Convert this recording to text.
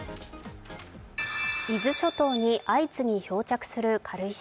伊豆諸島に相次ぎ漂着する軽石。